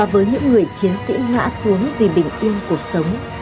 với những người chiến sĩ ngã xuống vì bình yên cuộc sống